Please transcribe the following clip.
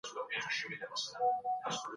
نړیوال بانک د بیارغونې لپاره مالي بودیجه ورکوله.